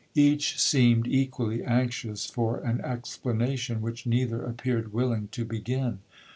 Each seemed equally anxious for an explanation, which neither appeared willing to begin.